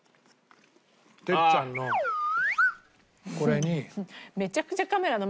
哲ちゃんのこれに。